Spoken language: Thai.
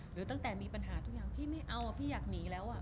หรือตั้งแต่มีปัญหาทุกอย่างพี่ไม่เอาพี่อยากหนีแล้ว